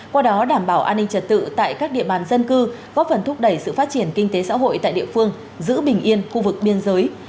qua đó đảm bảo an ninh trật tự tại các địa bàn dân cư góp phần thúc đẩy sự phát triển kinh tế xã hội tại địa phương giữ bình yên khu vực biên giới